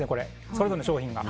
それぞれの商品が。